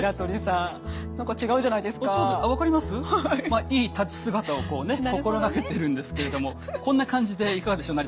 まあいい立ち姿をこうね心がけてるんですけれどもこんな感じでいかがでしょう